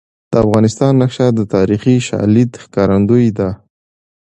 د افغانستان نقشه د تاریخي شالید ښکارندوی ده.